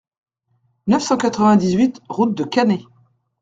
neuf cent quatre-vingt-dix-huit route de Cannet